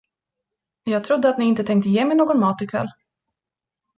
Jag trodde, att ni inte tänkte ge mig någon mat i kväll.